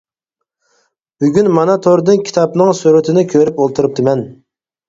بۈگۈن مانا توردىن كىتابنىڭ سۈرىتىنى كۆرۈپ ئولتۇرۇپتىمەن.